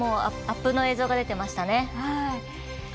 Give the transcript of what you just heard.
アップの映像が出てましたね。